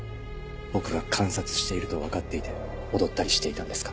僕が観察していると分かっていて踊ったりしていたんですか？